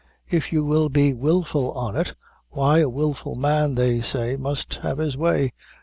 If you will be wilful on it, why a wilful man, they say, must have his way.